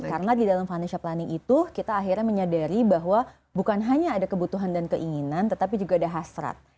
karena di dalam financial planning itu kita akhirnya menyadari bahwa bukan hanya ada kebutuhan dan keinginan tetapi juga ada hasrat